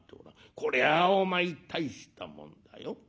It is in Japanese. こりゃお前大したもんだよ。